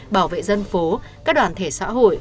bảo vệ dân phố các đoàn thể xã hội